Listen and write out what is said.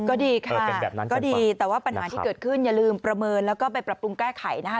ก็ดีค่ะก็ดีแต่ว่าปัญหาที่เกิดขึ้นอย่าลืมประเมินแล้วก็ไปปรับปรุงแก้ไขนะคะ